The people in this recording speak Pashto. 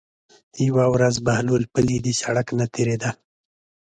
یوه ورځ بهلول پلي د سړک نه تېرېده.